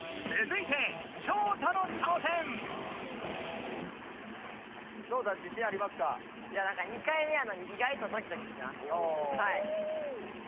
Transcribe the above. いやなんか２回目やのに意外とドキドキしてます。